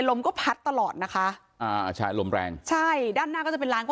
ลมก็พัดตลอดนะคะอ่าใช่ลมแรงใช่ด้านหน้าก็จะเป็นร้านก็